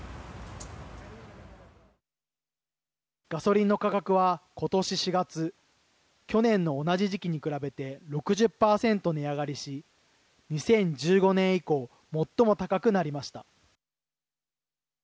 ガソリンの価格は、ことし４月去年の同じ時期に比べて６０％値上がりし２０１５年以降最も高くなりました。